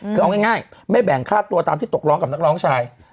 คือเอาง่ายไม่แบ่งค่าตัวตามที่ตกร้องกับนักร้องชาย